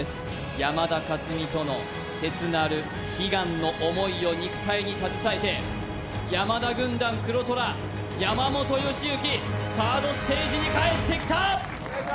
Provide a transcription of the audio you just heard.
山田勝己との切なる悲願の思いを肉体に携えて山田軍団・黒虎山本良幸サードステージに帰ってきた！